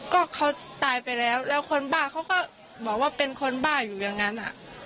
ก็เขาตายไปแล้วแล้วคนบ้าเขาก็บอกว่าเป็นคนบ้าอยู่อย่างนั้น